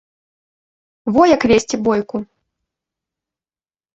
Во як весці бойку!